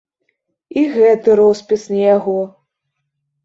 І гэты роспіс не яго.